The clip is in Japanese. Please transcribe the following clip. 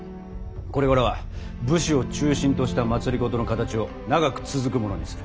これからは武士を中心とした政の形を長く続くものにする。